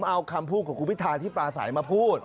เอาคำพูดของคุณพิธาที่ปลาสายมาพูด